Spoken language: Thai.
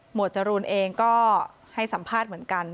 จรูนเองก็ให้สัมภาษณ์เหมือนกัน